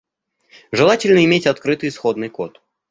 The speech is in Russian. Желательно иметь открытый исходный код